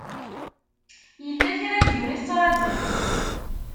Yella kra n yiwen i tettṛajumt?